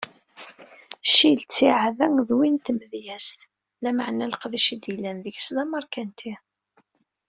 Ccil ttiεad-a d win n tmedyazt, lameεna leqdic i d-yellan deg-s d ameṛkanti.